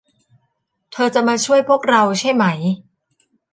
เธอจะมาช่วยพวกเราใช่ไหม